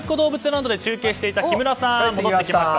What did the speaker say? ＬＡＮＤで中継していた木村さん、戻ってきました。